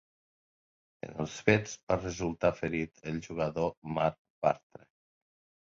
En els fets va resultar ferit el jugador Marc Bartra.